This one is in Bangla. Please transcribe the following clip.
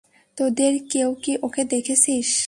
তোদের কেউ কি ওকে দেখেছিস?